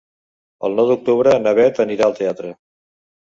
El nou d'octubre na Beth anirà al teatre.